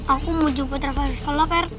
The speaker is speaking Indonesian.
aku mau jemput rafa ke sekolah pak rt